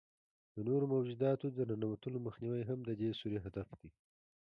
د نورو موجوداتو د ننوتلو مخنیوی هم د دې سوري هدف دی.